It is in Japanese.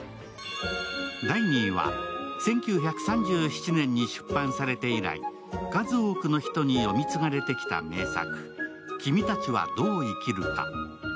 第２位は、１９３７年に出版されて以来、数多くの人に読み継がれてきた名作、「君たちはどう生きるか」。